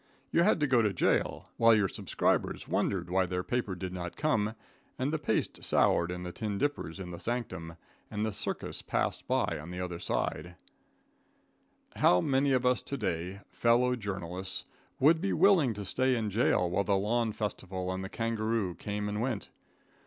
You had to go to jail, while your subscribers wondered why their paper did not come, and the paste soured in the tin dippers in the sanctum, and the circus passed by on the other side. [Illustration: STOPPING HIS PAPER.] How many of us to day, fellow journalists, would be willing to stay in jail while the lawn festival and the kangaroo came and went?